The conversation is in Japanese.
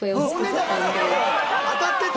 当たってた。